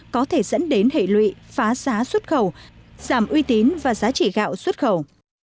có thể dẫn đến hệ lụy phá giá xuất khẩu giảm uy tín và giá trị gạo xuất khẩu